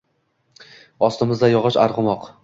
Ostimizda yog’och arg’umoq